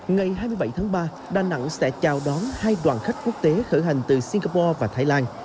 ngày hai mươi bảy tháng ba đà nẵng sẽ chào đón hai đoàn khách quốc tế khởi hành từ singapore và thái lan